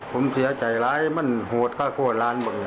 ผ่าไม่มั่นเจ็นได้